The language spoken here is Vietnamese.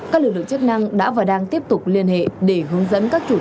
các lực lượng chức năng đã và đang tiếp tục liên hệ để hướng dẫn các chủ tàu